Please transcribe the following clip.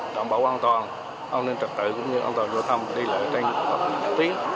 đảm bảo an toàn an ninh trật tự cũng như an toàn giao thông đi lại trên các tuyến